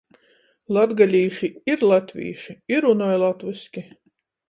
Latgalīši ir latvīši i runoj latvyski.